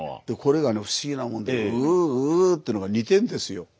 でこれがね不思議なもんでウウゥウウゥっていうのが似てるんですよ。